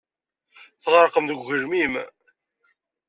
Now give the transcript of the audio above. Tɣerqem deg ugelmim.